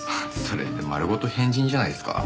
それってまるごと変人じゃないですか。